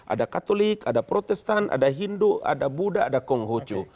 ada katolik ada protestan ada hindu ada buddha ada konghucu